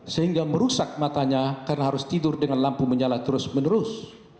sehingga merusak matanya karena harus tidur dengan lampu menyala terus menerus